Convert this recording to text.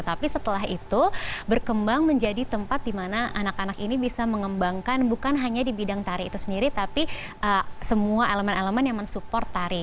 tapi setelah itu berkembang menjadi tempat di mana anak anak ini bisa mengembangkan bukan hanya di bidang tari itu sendiri tapi semua elemen elemen yang mensupport tari